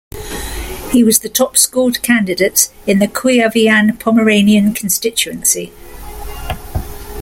He was the top scored candidat in the Kuyavian-Pomeranian constituency.